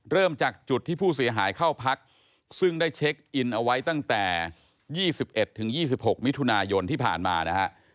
เริ่มจากจุดที่ผู้เสียหายเข้าพักซึ่งได้เช็คอินเอาไว้ตั้งแต่๒๑๒๖มิถุนายนที่ผ่านมานะฮะ